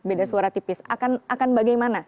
beda suara tipis akan bagaimana